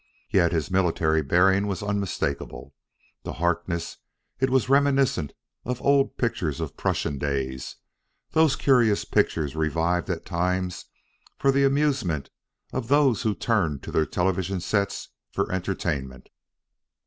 Yet his military bearing was unmistakable. To Harkness it was reminiscent of old pictures of Prussian days those curious pictures revived at times for the amusement of those who turned to their television sets for entertainment.